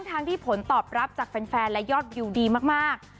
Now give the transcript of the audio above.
ทั้งที่ผลตอบรับจากแฟนและยอดวิวดีมาก